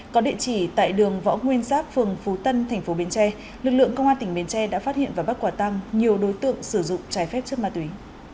có địa chỉ tại đường võ nguyên giáp phường phú tân tp bến tre lực lượng công an tỉnh bến tre đã phát hiện và bắt quả tăng nhiều đối tượng sử dụng trái phép chất ma túy